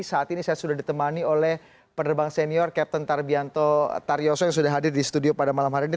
saat ini saya sudah ditemani oleh penerbang senior captain tarbianto taryoso yang sudah hadir di studio pada malam hari ini